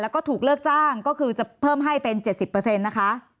แล้วก็ถูกเลิกจ้างก็คือจะเพิ่มให้เป็น๗๐นะคะ